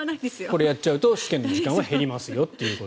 これやっちゃうと試験の時間は減りますよと。